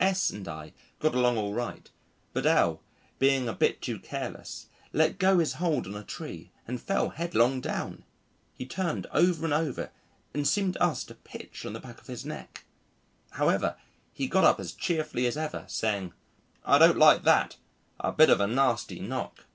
S and I got along all right, but L , being a bit too careless, let go his hold on a tree and fell headlong down. He turned over and over and seemed to us to pitch on the back of his neck. However, he got up as cheerfully as ever, saying, "I don't like that a bit of a nasty knock."